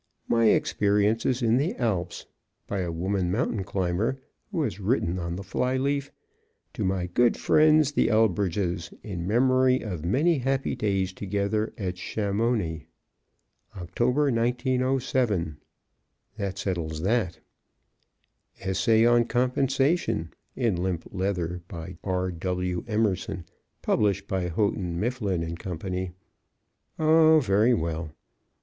"My experiences in the Alps," by a woman mountain climber who has written on the fly leaf, "To my good friends the Elbridges, in memory of many happy days together at Chamounix. October, 1907." That settles that. "Essay on Compensation" in limp leather, by R.W. Emerson, published by Houghton, Mifflin & Co. Oh, very well!